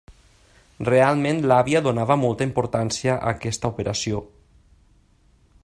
Realment l'àvia donava molta importància a aquesta operació.